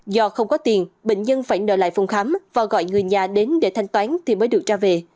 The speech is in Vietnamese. do không có tiền bệnh nhân phải nợ lại phòng khám và gọi người nhà đến để thanh toán thì mới được ra về